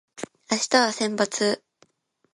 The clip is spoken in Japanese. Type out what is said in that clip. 明日は先発